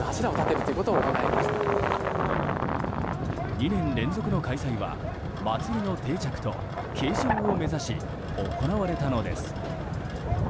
２年連続の開催は祭りの定着と継承を目指し行われたのです。